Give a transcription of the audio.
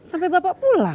sampai bapak pulang